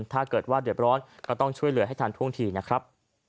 ถ้าเกิดว่าเดือดร้อนก็ต้องช่วยเหลือให้ทันท่วงทีนะครับ